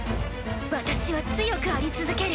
私は強くあり続ける。